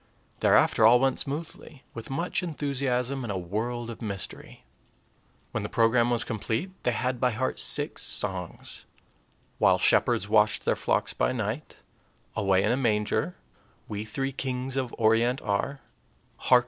Thereafter all went smoothly, with much enthusiasm and a world of mystery. When the program was complete, they had by heart six songs: "While shepherds watched their flocks by night," "Away in a manger," "We three kings of Orient are," "Hark!